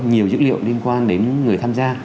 nhiều dữ liệu liên quan đến người tham gia